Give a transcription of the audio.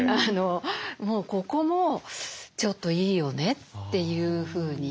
もうここもちょっといいよねというふうに。